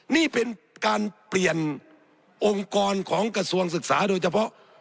นี่เป็นการเปลี่ยนองค์กรของกระทรวงศึกษาโดยเฉพาะ